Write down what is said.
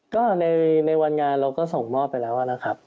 ก็ในวันงานเราก็ส่งมอบไปแล้วนะครับ